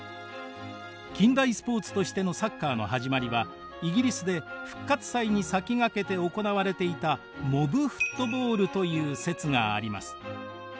近代スポーツとしてのサッカーの始まりはイギリスで復活祭に先駆けて行われていたモブフットボールという説があります。